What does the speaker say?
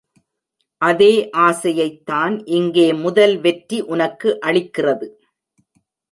அதே ஆசையைத்தான் இங்கே முதல் வெற்றி உனக்கு அளிக்கிறது.